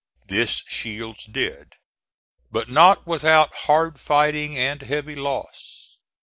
This Shields did, but not without hard fighting and heavy loss.